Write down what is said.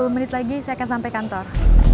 sepuluh menit lagi saya akan sampai kantor